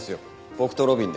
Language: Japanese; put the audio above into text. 僕と路敏で。